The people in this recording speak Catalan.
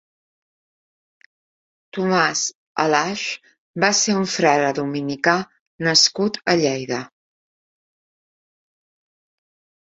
Tomàs Alaix va ser un «Frare dominicà» nascut a Lleida.